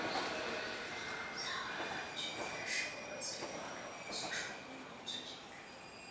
萨古内农村居民点是俄罗斯联邦沃罗涅日州波德戈连斯基区所属的一个农村居民点。